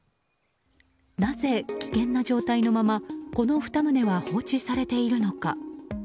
なぜ危険な状態のままこの２棟は放置されているのか。